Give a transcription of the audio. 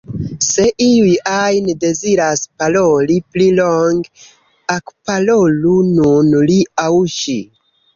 Se iu ajn deziras paroli pli longe, ekparolu nun li aŭ ŝi.